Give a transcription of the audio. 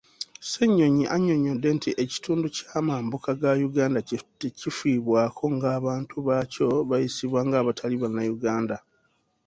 Ssennyonyi annyonnyodde nti ekitundu kyamambuka ga Uganda tekifiibwako ng'abantu baakyo bayisibwa ng'abatali bannayuganda.